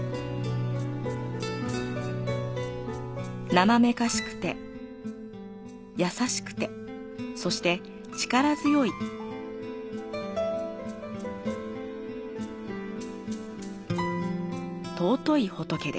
なまめかしくて、やさしくて、そして力強い、尊い仏です。